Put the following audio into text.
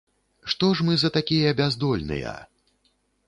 Што ж мы за такія бяздольныя?